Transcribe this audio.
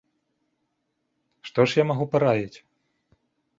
Што ж я магу параіць?!